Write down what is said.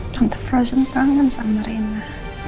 tante frozen tangan sama rina